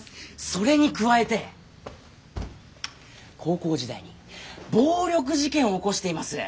それに加えて高校時代に暴力事件を起こしています。